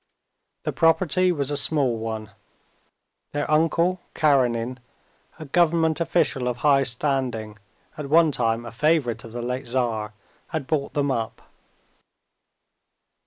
The property was a small one. Their uncle, Karenin, a government official of high standing, at one time a favorite of the late Tsar, had brought them up.